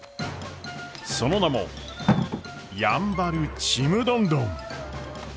その名も「やんばるちむどんどん」。